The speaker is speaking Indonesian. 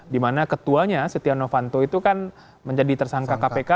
dimana ketuanya setia novanto itu kan menjadi tersangka kpk